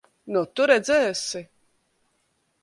Nu, tu redzēsi!